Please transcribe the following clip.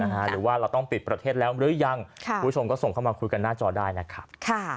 หรือว่าเราต้องปิดประเทศแล้วหรือยังคุณผู้ชมก็ส่งเข้ามาคุยกันหน้าจอได้นะครับ